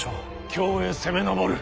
京へ攻め上る。